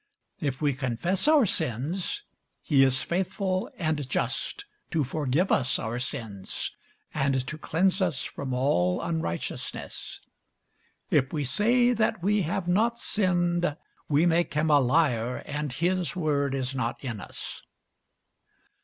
If we confess our sins, he is faithful and just to forgive us our sins, and to cleanse us from all unrighteousness. If we say that we have not sinned, we make him a liar, and his word is not in us.